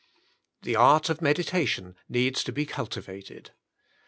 The art of meditation needs to be cultivated.